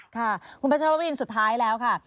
ค่ะคุณพัชรวรินสุดท้ายแล้วค่ะ